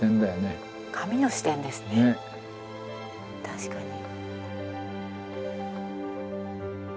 確かに。